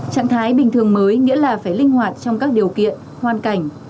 trạng thái bình thường mới nghĩa là phải linh hoạt trong các điều kiện hoàn cảnh